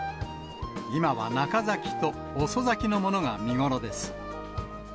今は中咲きと遅咲きのものが見頃です。